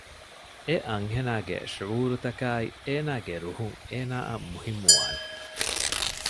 އެ އަންހެނާގެ ޝުޢޫރުތަކާއި އޭނާގެ ރުހުން އޭނާއަށް މުހިންމުވާނެ